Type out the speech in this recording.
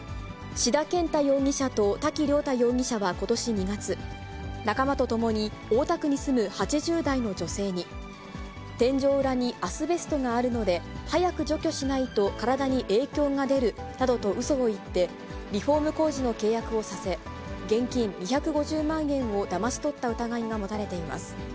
志田健太容疑者と滝良太容疑者はことし２月、仲間と共に、大田区に住む８０代の女性に、天井裏にアスベストがあるので、早く除去しないと体に影響が出るなどとうそを言って、リフォーム工事の契約をさせ、現金２５０万円をだまし取った疑いが持たれています。